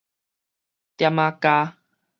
點仔膠